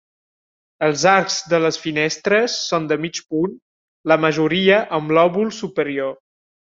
Els arcs de les finestres són de mig punt, la majoria amb lòbul superior.